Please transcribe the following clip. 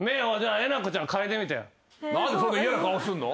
何でそんな嫌な顔すんの？